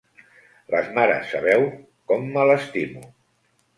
Les mares sabeu com me l’estimo.